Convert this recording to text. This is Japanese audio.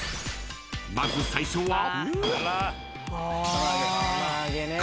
［まず最初は］